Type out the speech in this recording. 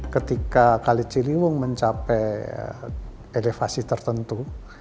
ketika kali ciliwung mencapai elevasi tertentu